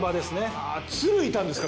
わぁ鶴いたんですか？